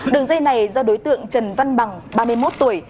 đường dây này do đối tượng trần văn bằng ba mươi một tuổi